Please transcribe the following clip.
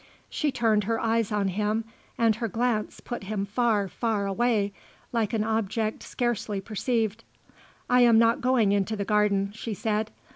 She turned her eyes on him and her glance put him far, far away, like an object scarcely perceived. "I am not going into the garden," she said.